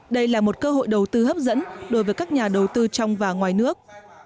đây là một cơ hội đầu tư hấp dẫn đối với các nhà đầu tư trong và ngoài nước